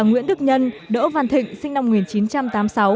nguyễn đức nhân đỗ văn thịnh sinh năm một nghìn chín trăm tám mươi sáu